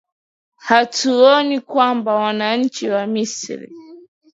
hatuoni kwamba wananchi wa misri